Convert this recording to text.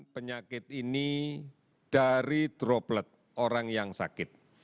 penyakit ini dari droplet orang yang sakit